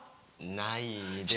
ないですね。